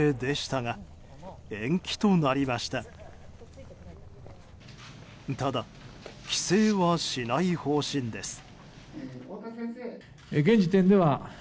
ただ、規制はしない方針です。